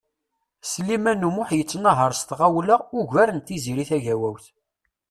Sliman U Muḥ yettnahaṛ s lemɣawla ugar n Tiziri Tagawawt.